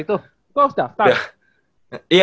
oh udah daftar gitu